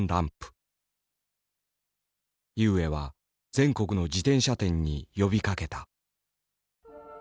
井植は全国の自転車店に呼びかけた。